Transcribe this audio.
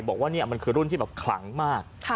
บอกว่านี่มันคือรุ่นที่แบบขลังมาก